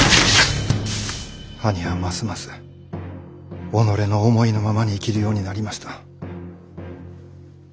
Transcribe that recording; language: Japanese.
兄はますます己の思いのままに生きるようになりました。